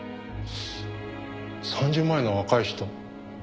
三十前の若い人。